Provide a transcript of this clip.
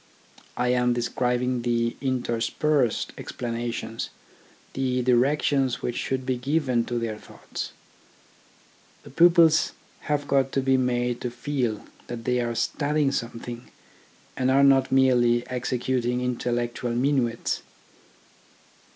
I am describing the interspersed explanations, the directions which should be given to their thoughts. The pupils 20 THE ORGANISATION OF THOUGHT have got to be made to feel that they are studying something, and are not merely executing intel lectual minuets.